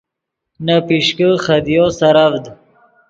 نے پیشکے خدیو سرڤد